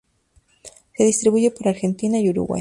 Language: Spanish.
Se distribuye por Argentina y Uruguay.